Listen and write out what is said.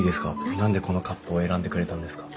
何でこのカップを選んでくれたんですか？